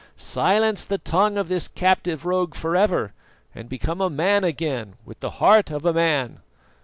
Silence the tongue of this captive rogue for ever and become a man again, with the heart of a man."